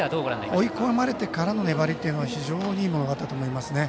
追い込まれてからの粘りは非常にいいものがあったと思いますね。